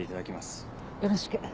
よろしく。